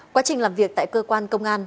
quá trình làm việc tại cơ quan công an